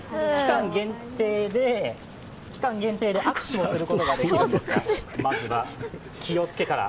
期間限定で握手をすることができるんですが、まずは、気をつけから。